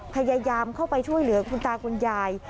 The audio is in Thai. พยายามเข้าไปช่วยเหลือคุณตาคุณยาย